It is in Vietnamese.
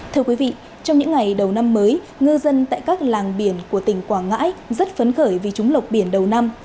thưa quý vị trong những ngày đầu năm mới ngư dân tại các làng biển của tỉnh quảng ngãi rất phấn khởi vì chúng lột biển đầu năm